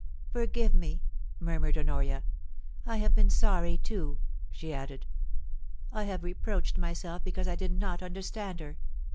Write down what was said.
' Forgive me !' murmured Honoria. * I have been sorry too,' she added. * I have reproached myself because I did not understand her.